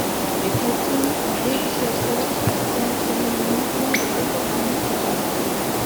Les platines D-Theater sont commercialisées uniquement aux États-Unis, et Japon.